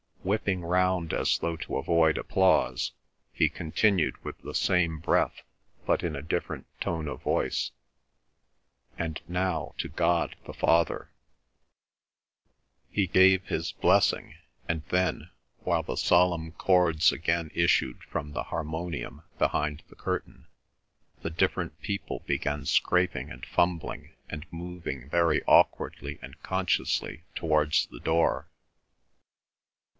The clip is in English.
Whipping round as though to avoid applause, he continued with the same breath, but in a different tone of voice,—"And now to God the Father ..." He gave his blessing, and then, while the solemn chords again issued from the harmonium behind the curtain, the different people began scraping and fumbling and moving very awkwardly and consciously towards the door.